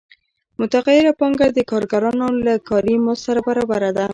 متغیره پانګه د کارګرانو له کاري مزد سره برابره ده